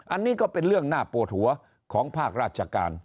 อันนี้ก็เป็นเรื่องน่าปวดหัวของภาคราชการ